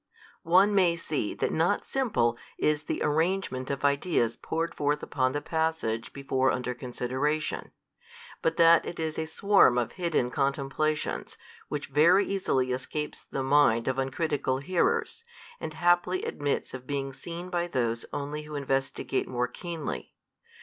One may see that not simple is the arrangement of ideas poured forth upon the passage before under consideration, but that it is a swarm of hidden contemplations, which very easily escapes the mind of uncritical hearers, and haply admits of being seen by those only who investigate more keenly.